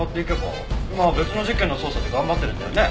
今別の事件の捜査で頑張ってるんだよね？